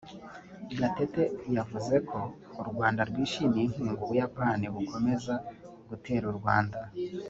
Gatete yavuze ko u Rwanda rwishimiye inkunga u Buyapani bukomeza gutera u Rwanda